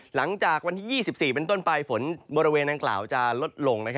หลังจากวันที่๒๔เป็นต้นไปฝนบริเวณนางกล่าวจะลดลง